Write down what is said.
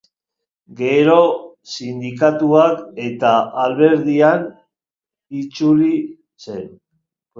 Gero, sindikatuan eta alderdian ibili zen.